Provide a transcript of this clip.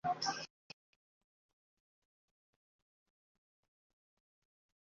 Ili loĝas nur en subsahara Afriko.